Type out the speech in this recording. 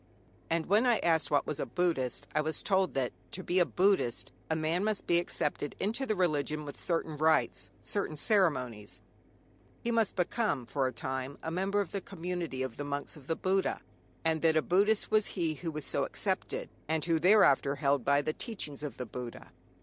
And when I asked what was a Buddhist, I was told that, to be a Buddhist, a man must be accepted into the religion with certain rites, certain ceremonies, he must become for a time a member of the community of the monks of the Buddha, and that a Buddhist was he who was so accepted, and who thereafter held by the teachings of the Buddha.